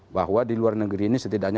bahwa di luar negeri ini setidaknya